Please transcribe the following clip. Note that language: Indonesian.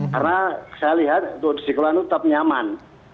karena saya lihat disekolah itu tetap nyaman